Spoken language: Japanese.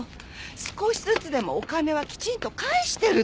少しずつでもお金はきちんと返してるっていうのに。